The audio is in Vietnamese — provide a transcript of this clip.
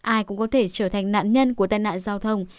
ai cũng có thể trở thành nạn nhân của tai nạn giao thông